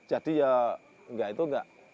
jadi ya enggak itu enggak